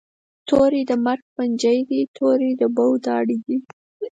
توری د مرګ پنجی دي، توری د بو داړي دي